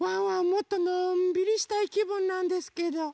もっとのんびりしたいきぶんなんですけど。